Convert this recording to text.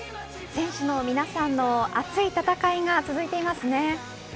選手の皆さんの熱い戦いが続いていますね。